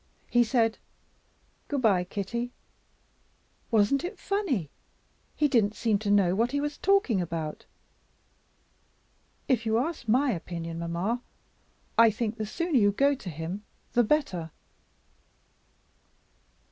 He said 'Good by, Kitty!' Wasn't it funny? He didn't seem to know what he was talking about. If you ask my opinion, mamma, I think the sooner you go to him the better."